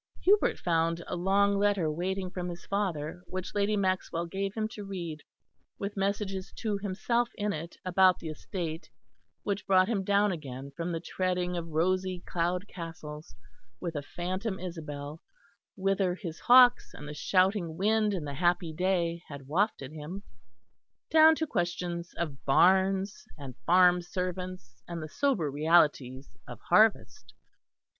Hubert found a long letter waiting from his father which Lady Maxwell gave him to read, with messages to himself in it about the estate, which brought him down again from the treading of rosy cloud castles with a phantom Isabel whither his hawks and the shouting wind and the happy day had wafted him, down to questions of barns and farm servants and the sober realities of harvest.